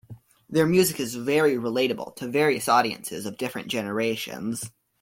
Their music is very relatable to various audiences of different generations.